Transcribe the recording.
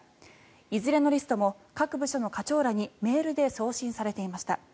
いずれのリストも各部署の課長らにメールで送信されていました。